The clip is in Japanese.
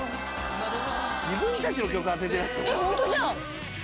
自分たちの曲当ててない。